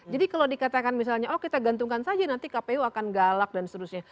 jadi kalau dikatakan misalnya oh kita gantungkan saja nanti kpu akan galak dan seterusnya